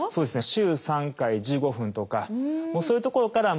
週３回１５分とかそういうところから始めてもらって。